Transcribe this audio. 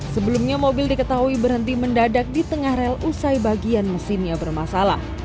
sebelumnya mobil diketahui berhenti mendadak di tengah rel usai bagian mesinnya bermasalah